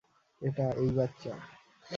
এটা, এই বাচ্চা?